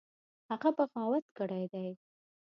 هغه بغاوت کړی دی.